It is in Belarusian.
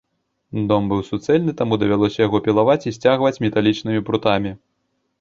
Дом быў суцэльны, таму давялося яго пілаваць і сцягваць металічнымі прутамі.